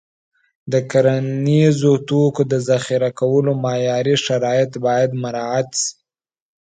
د کرنیزو توکو د ذخیره کولو معیاري شرایط باید مراعت شي.